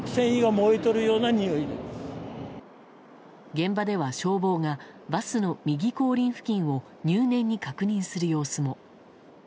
現場では、消防がバスの右後輪付近を入念に確認する様子も。